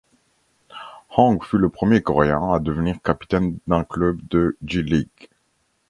Hong fut le premier Coréen à devenir capitaine d'un club de J-League.